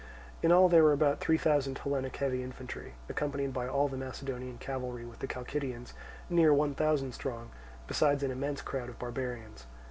In all there were about three thousand Hellenic heavy infantry, accompanied by all the Macedonian cavalry with the Chalcidians, near one thousand strong, besides an immense crowd of barbarians.